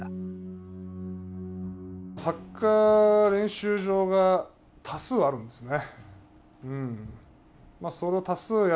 サッカー練習場が多数あるんですね。